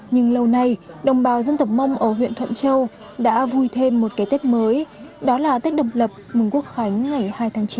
nhưng lâu nay đồng bào dân tộc mông ở huyện thuận châu đã vui thêm một cái tết mới đó là tết độc lập mừng quốc khánh ngày hai tháng chín